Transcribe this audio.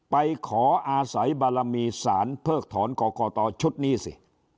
ไปขออาศัยบารมีสารเพิกถอนกรกตชุดนี้สิ